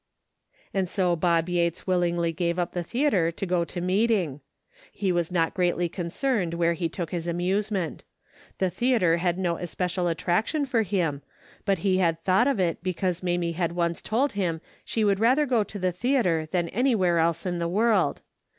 And so Bob Yates willingly gave up the theatre to go to meeting. He was not greatly concerned where he took his amusement. The theatre had no especial attraction for him, but he had thought of it because Mamie had once told him she would rather go to the theatre than anywhere else in the world.